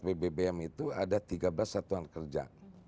pada prinsipnya predikat wbpm itu ada tiga belas satuan kerja